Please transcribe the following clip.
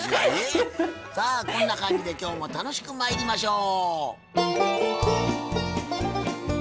さあこんな感じで今日も楽しくまいりましょう！